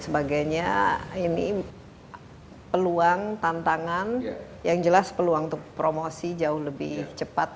sebagainya ini peluang tantangan yang jelas peluang untuk promosi jauh lebih cepat